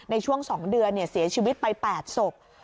ในช่วง๒เดือนเสียชีวิตไป๘ศพ